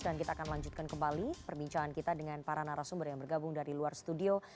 dan kita akan lanjutkan kembali perbincangan kita dengan para narasumber yang bergabung dari luar studio